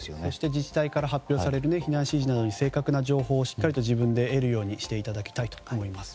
自治体から発表される避難指示などに正確な情報をしっかり自分で得るようにしていただきたいと思います。